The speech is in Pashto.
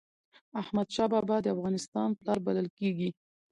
احمد شاه بابا د افغانستان پلار بلل کېږي.